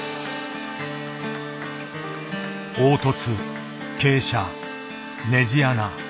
凹凸傾斜ねじ穴。